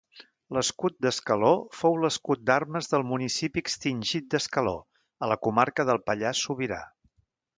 L'escut d'Escaló fou l'escut d'armes del municipi extingit d'Escaló, a la comarca del Pallars Sobirà.